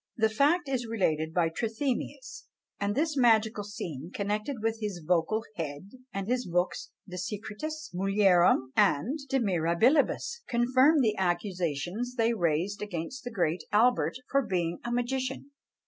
The fact is related by Trithemius and this magical scene connected with his vocal head, and his books De Secretis Mulierum, and De Mirabilibus, confirmed the accusations they raised against the great Albert for being a magician.